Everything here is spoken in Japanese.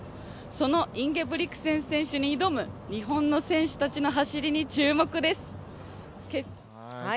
そのインゲブリクセン選手に挑む日本の選手たちの走りに注目です。